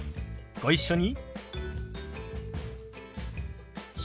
ご一緒に。